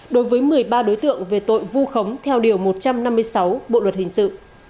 đối với một mươi ba đối tượng về tội vu khống theo điều một trăm năm mươi sáu bộ luật hình sự